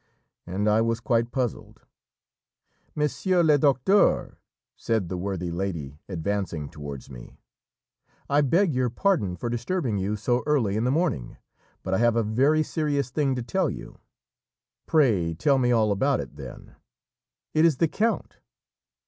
And I was quite puzzled. "Monsieur le Docteur," said the worthy lady, advancing towards me, "I beg your pardon for disturbing you so early in the morning, but I have a very serious thing to tell you." "Pray tell me all about it, then." "It is the count."